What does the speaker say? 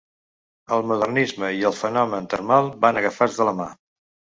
El modernisme i el fenomen termal van agafats de la mà.